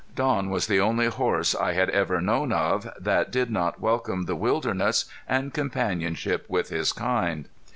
Don was the only horse I had ever known of that did not welcome the wilderness and companionship with his kind.